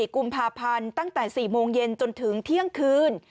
กุมภาพันธ์ตั้งแต่๔โมงเย็นจนถึงเที่ยงคืน